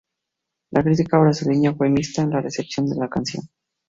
La crítica brasileña fue mixta en la recepción de la canción.